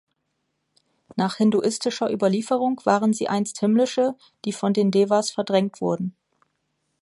Nach hinduistischer Überlieferung waren sie einst Himmlische, die von den Devas verdrängt wurden.